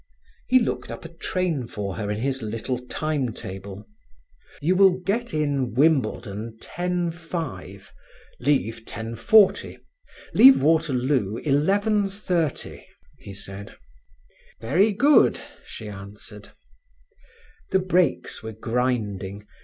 He looked up a train for her in his little time table. "You will get in Wimbledon 10.5—leave 10.40—leave Waterloo 11.30," he said. "Very good," she answered. The brakes were grinding.